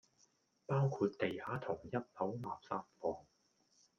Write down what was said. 包括地下同一樓垃圾房